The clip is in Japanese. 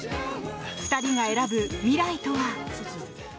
２人が選ぶ未来とは。